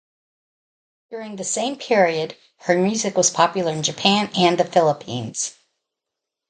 During the same period, her music was popular in Japan and the Philippines.